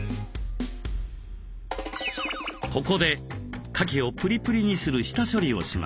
ここでかきをプリプリにする下処理をします。